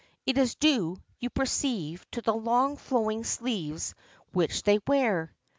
It is due, you perceive, to the long flowing sleeves which they wear.